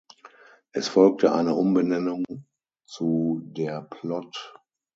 Es folgte eine Umbenennung zu Der Plot.